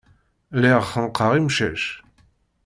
Lliɣ xennqeɣ imcac.